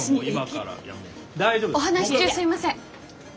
お話し中すいません。